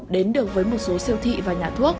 đến được với một số siêu thị và nhà thuốc